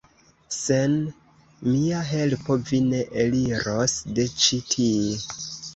sen mia helpo vi ne eliros de ĉi tie!